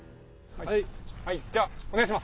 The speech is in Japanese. はい。